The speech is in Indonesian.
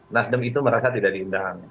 nasdem itu merasa tidak diindahannya